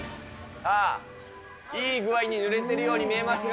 さあ、いい具合にぬれているように見えますが。